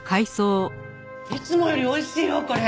いつもより美味しいよこれ。